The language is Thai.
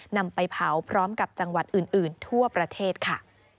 นำไปเผาพร้อมกับจังหวัดอื่นทั่วประเทศค่ะ